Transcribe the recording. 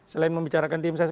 selain membicarakan tim ses